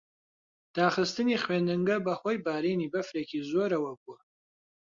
داخستنی خوێندنگە بەهۆی بارینی بەفرێکی زۆرەوە بوو.